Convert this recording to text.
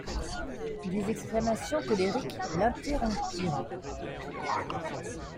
Des exclamations colériques l'interrompirent.